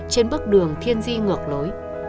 trên bước đường thiên di ngược lối